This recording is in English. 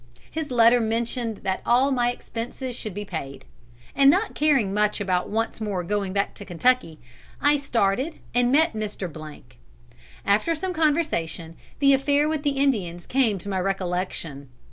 His letter mentioned that all my expenses should be paid; and not caring much about once more going back to Kentucky, I started and met Mr. . After some conversation, the affair with the Indians came to my recollection.